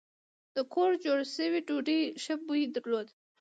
د کور جوړه شوې ډوډۍ ښه بوی درلود.